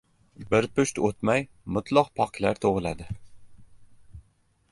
Bir pusht o‘tmay, mutloq poklar tug‘iladi!